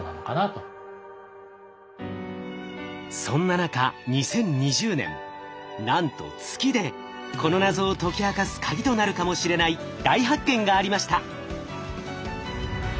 そんな中２０２０年なんと月でこの謎を解き明かすカギとなるかもしれない大発見がありました。